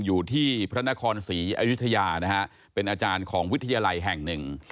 อยู่ที่พระนครศรีอยุธยานะฮะเป็นอาจารย์ของวิทยาลัยแห่งหนึ่ง